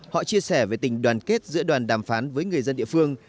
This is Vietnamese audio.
họ chia sẻ về tình đoàn kết giữa đoàn đàm phán với người dân địa phương